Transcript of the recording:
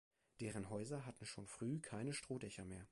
Deren Häuser hatten schon früh keine Strohdächer mehr.